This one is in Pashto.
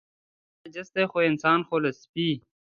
دا خلک وایي چې سپي نجس دي، خو انسان خو له سپي.